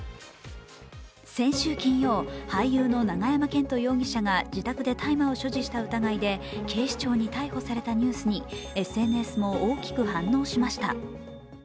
先週金曜、俳優の永山絢斗容疑者が自宅で大麻を所持した疑いで警視庁に逮捕されたニュースにＳＮＳも大きく反応しました。